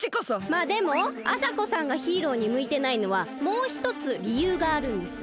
まあでもあさこさんがヒーローにむいてないのはもうひとつりゆうがあるんです。